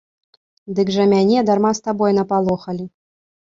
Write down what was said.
Дык жа мяне дарма з табой напалохалі.